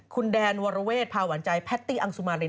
คุณแดนวรเวทพาหวานใจแพตตี้อังสุมาริน